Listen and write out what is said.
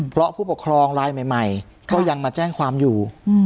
เพราะผู้ปกครองรายใหม่ก็ยังมาแจ้งความอยู่